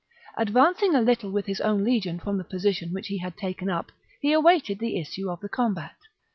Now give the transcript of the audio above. Advancing a little with his own legion from the position which he had taken up, he awaited the issue of the combat.